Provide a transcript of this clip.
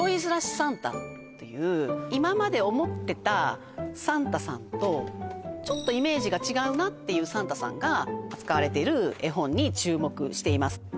サンタ」っていう今まで思ってたサンタさんとちょっとイメージが違うなっていうサンタさんが扱われている絵本に注目しています